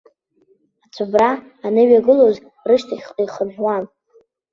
Ацәыббра аныҩагылоз, рышьҭахьҟа ихынҳәуан.